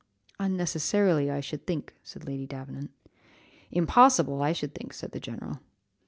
"Unnecessary, I should think," said Lady Davenant. "Impossible, I should think," said the general.